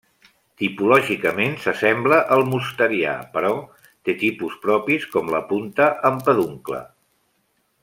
Tipològicament s’assembla al mosterià, però té tipus propis com la punta amb peduncle.